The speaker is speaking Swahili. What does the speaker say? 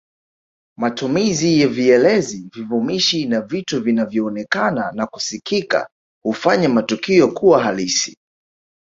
Matumizi ya vielezi vivumishi na vitu vinavyoonekana na kusikika hufanya matukio kuwa halisi